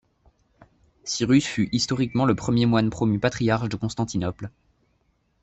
Cyrus fut historiquement le premier moine promu patriarche de Constantinople.